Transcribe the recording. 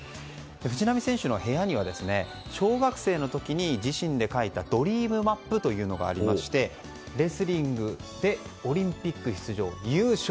藤波選手の部屋には小学生の時、自身で描いたドリームマップというものがありましてレスリングでオリンピック出場優勝。